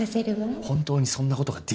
本当にそんなことができるの？